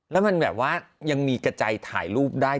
แล้วมันแบบว่ายังมีกระจายถ่ายรูปได้